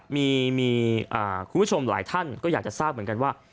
มีคุณผู้ชมหลายท่านก็อยากจะทราบเหมือนกันว่า